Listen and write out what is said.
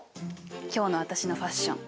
今日の私のファッション。